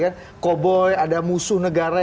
kan koboi ada musuh negara